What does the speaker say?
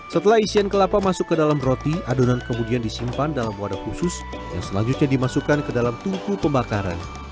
setelah isian kelapa masuk ke dalam roti adonan kemudian disimpan dalam wadah khusus yang selanjutnya dimasukkan ke dalam tungku pembakaran